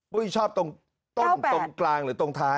ชอบตรงต้นตรงกลางหรือตรงท้าย